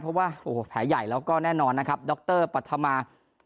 เพราะว่าโอ้โหแผลใหญ่แล้วก็แน่นอนนะครับดรปัธมา